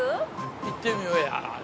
◆行ってみようや。